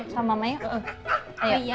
sama mama yuk